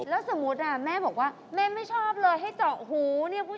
แล้วสมมุติแม่บอกว่าแม่ไม่ชอบเลยให้เจาะหูเนี่ย